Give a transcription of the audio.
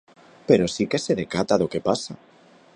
Pero si que se decata do que pasa.